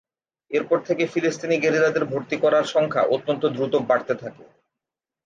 এরপর থেকে ফিলিস্তিনি গেরিলাদের ভর্তি করার সংখ্যা অত্যন্ত দ্রুত বাড়তে থাকে।